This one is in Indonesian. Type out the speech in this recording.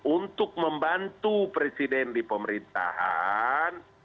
untuk membantu presiden di pemerintahan